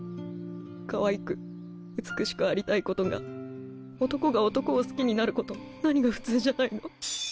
かわいく美しくありたいことが男が男を好きになることの何が普通じゃないの？